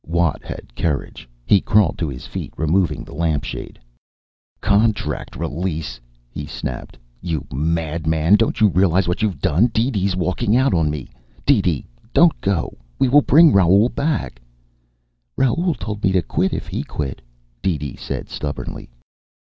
Watt had courage. He crawled to his feet, removing the lamp shade. "Contract release!" he snapped. "You madman! Don't you realize what you've done? DeeDee's walking out on me. DeeDee, don't go. We will bring Raoul back " "Raoul told me to quit if he quit," DeeDee said stubbornly.